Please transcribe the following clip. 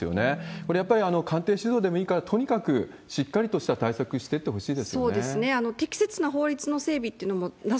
これはやっぱり官邸主導でもいいから、とにかくしっかりとした対策してってほしいですね。